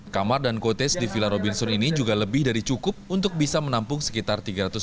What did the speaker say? kamar dan kotes di villa robinson ini juga lebih dari cukup untuk bisa menampung sekitar